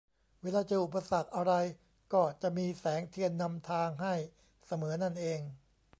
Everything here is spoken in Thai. เวลาเจออุปสรรคอะไรก็จะมีแสงเทียนนำทางให้เสมอนั่นเอง